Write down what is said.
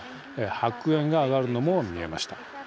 白煙が上がるのも見えました。